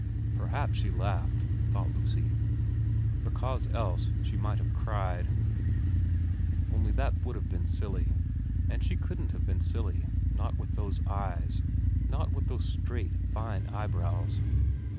Perhaps she laughed, thought Lucy, because else she might have 188 VERA xvn cried ; only that would have been silly, and she couldn't have been silly, not with those eyes, not with those straight, fine eyebrows.